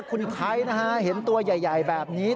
คุณไทยนะฮะเห็นตัวใหญ่แบบนี้